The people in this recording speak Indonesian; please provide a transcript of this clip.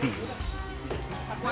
tim liputan cnn indonesia